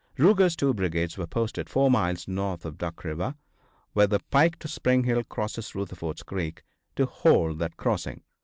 Ruger's two brigades were posted four miles north of Duck river, where the pike to Spring Hill crosses Rutherford's creek, to hold that crossing.